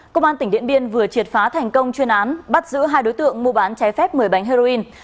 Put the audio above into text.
công an tỉnh điện biên vừa triệt phá thành công chuyên án bắt giữ hai đối tượng mua bán trái phép một mươi bánh heroin